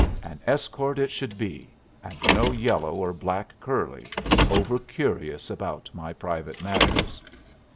An escort it should be, and no yellow or black curly, over curious about my private matters!